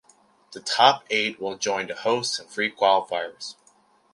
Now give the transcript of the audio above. The top eight will join the hosts and three qualifiers.